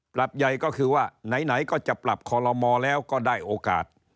ปรับใหญ่ก็คือว่าไหนก็จะปรับคอลโลมอแล้วก็ได้โอกาส